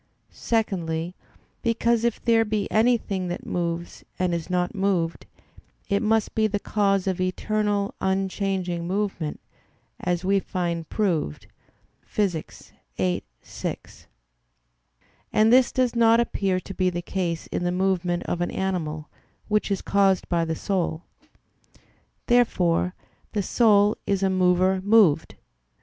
Secondly, because if there be anything that moves and is not moved, it must be the cause of eternal, unchanging movement, as we find proved Phys. viii, 6; and this does not appear to be the case in the movement of an animal, which is caused by the soul. Therefore the soul is a mover moved.